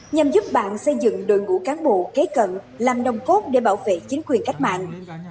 nhằm giúp bạn xây dựng đội ngũ cán bộ kế cận làm đồng cốt để bảo vệ chính quyền cách mạng